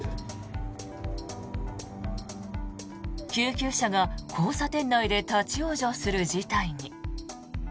救急車が交差点内で立ち往生する事態に。